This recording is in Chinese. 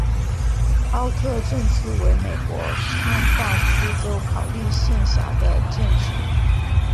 奥特镇区为美国堪萨斯州考利县辖下的镇区。